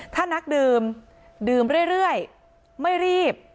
ถ้านักดื่มดื่มเรื่อยไม่รีบ